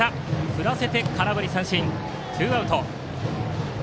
振らせて空振り三振ツーアウト。